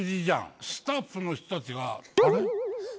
スタッフの人たちが。